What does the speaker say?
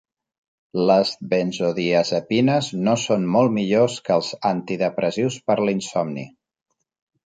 Las benzodiazepines no són molt millors que els antidepressius per l'insomni.